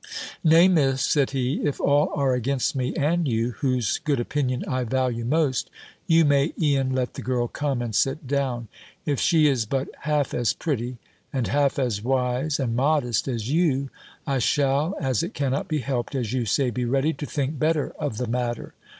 "Nay, Miss," said he, "if all are against me, and you, whose good opinion I value most, you may e'en let the girl come, and sit down. If she is but half as pretty, and half as wise, and modest, as you, I shall, as it cannot be helped, as you say, be ready to think better of the matter.